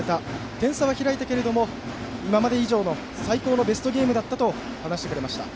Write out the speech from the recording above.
点差は開いたけれども今まで以上の最高のベストゲームだと話してくれました。